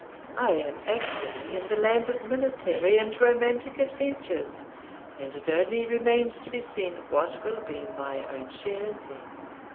I am actually in the land of military and romantic adventures, and it only remains to be seen what will be my own share in them.'